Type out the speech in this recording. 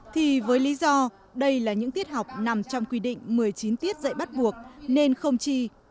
thì với lý do đây là những tiết học nằm trong quy định một mươi chín tiết dạy bắt buộc nên không chi